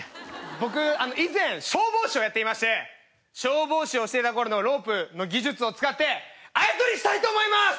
僕以前消防士をやっていまして消防士をしていた頃のロープの技術を使ってあやとりしたいと思います！